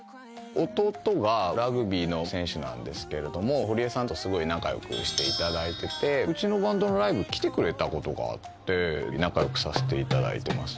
弟がラグビーの選手なんですけれども堀江さんとすごい仲良くしていただいててうちのバンドのライブ来てくれたことがあって仲良くさせていただいてます。